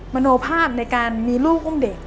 มโนภาพในการมีลูกอุ้มเด็ก